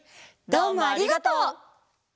どうもありがとう。